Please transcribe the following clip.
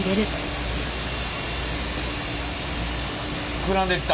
膨らんできた。